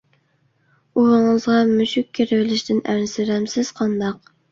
ئۇۋىڭىزغا مۈشۈك كىرىۋېلىشتىن ئەنسىرەمسىز قانداق؟